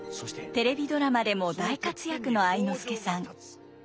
テレビドラマでも大活躍の愛之助さん。